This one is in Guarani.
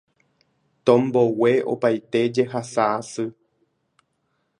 Tombogue opaite jehasa asy